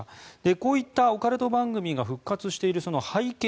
こういったオカルト番組が復活している背景